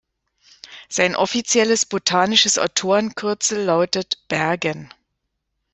Sein offizielles botanisches Autorenkürzel lautet „Bergen“.